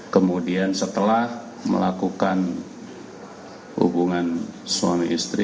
kemudian setelah melakukan hubungan suami istri